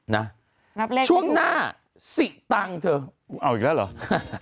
นับเลขช่วงหน้าสิตังค์เธอเอาอีกแล้วเหรอ